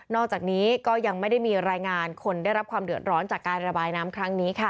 อกจากนี้ก็ยังไม่ได้มีรายงานคนได้รับความเดือดร้อนจากการระบายน้ำครั้งนี้ค่ะ